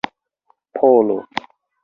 polo